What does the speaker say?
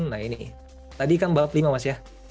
nah ini tadi kan balap lima mas ya